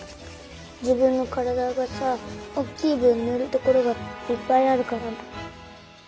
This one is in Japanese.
自分のからだがさおっきいぶんぬるところがいっぱいあるから。